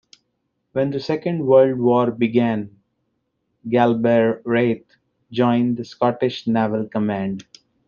When the Second World War began, Galbraith joined the Scottish Naval Command.